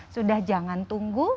sudah jangan tunggu